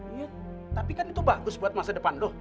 iya tapi kan itu bagus buat masa depan doh